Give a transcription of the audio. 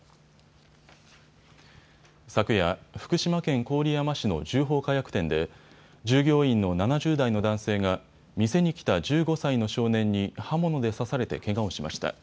昨夜、福島県郡山市の銃砲火薬店で従業員の７０代の男性が店に来た１５歳の少年に刃物で刺されてけがをしました。